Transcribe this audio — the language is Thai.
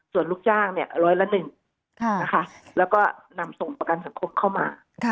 ส่วนลูกจ้างร้อยละ๑แล้วก็นำส่งประกันสังคมเข้ามา